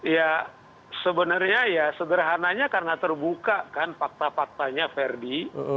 ya sebenarnya ya sederhananya karena terbuka kan fakta faktanya verdi